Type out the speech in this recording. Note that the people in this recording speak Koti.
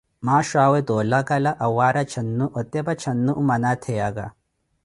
Maaxho awe toolakala, awaarya caanu, otepa caanu mmana atheyaka.